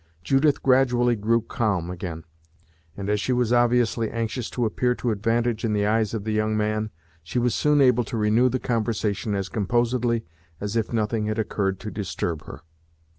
Judith gradually grew calm again, and as she was obviously anxious to appear to advantage in the eyes of the young man, she was soon able to renew the conversation as composedly as if nothing had occurred to disturb her.